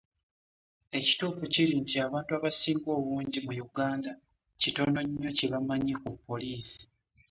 Ekituufu kiri nti, abantu abasinga mu Uganda kitono nnyo kyebamanyi ku poliiisi.